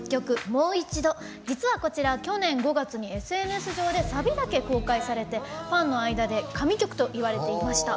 「もう一度」、実はこちら去年５月にＳＮＳ上でサビだけ公開されてファンの間で「神曲」といわれていました。